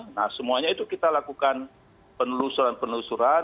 nah semuanya itu kita lakukan penelusuran penelusuran